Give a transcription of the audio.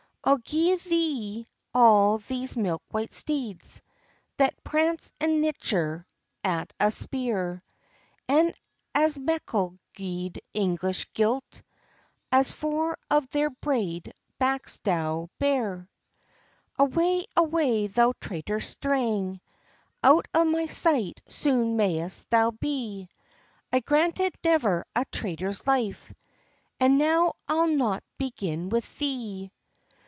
"I'll gi'e thee all these milk white steeds, That prance and nicher {88a} at a spear; And as meikle gude Inglish gilt, {88b} As four of their braid backs dow {88c} bear." "Away, away, thou traitor strang! Out of my sight soon may'st thou be! I granted never a traitor's life, And now I'll not begin with thee."